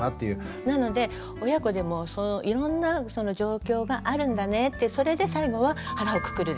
なので親子でもいろんな状況があるんだねってそれで最後は腹をくくるですよ。